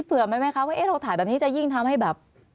เผื่อไหมคะว่าเราถ่ายแบบนี้จะยิ่งทำให้แบบ